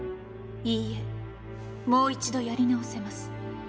いいえもう一度やり直せます。